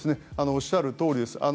おっしゃるとおりです。